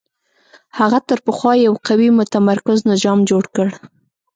هغه تر پخوا یو قوي متمرکز نظام جوړ کړ